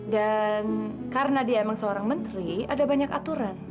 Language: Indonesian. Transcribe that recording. dan karena dia emang seorang menteri ada banyak aturan